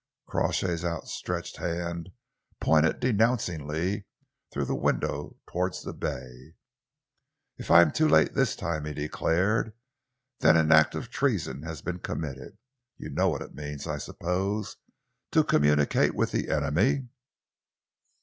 Crawshay's outstretched hand pointed denouncingly through the window towards the bay. "If I am too late this time," he declared, "then an act of treason has been committed. You know what it means, I suppose, to communicate with the enemy?"